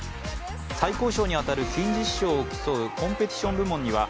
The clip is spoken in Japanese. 最高賞に当たる金獅子賞を競うコンペティション部門には